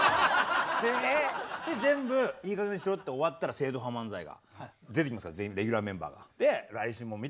で全部「いいかげんにしろ」って終わったら正統派漫才が出てきますから全員レギュラーメンバーが。